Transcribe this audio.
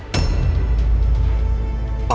aku mau ke rumah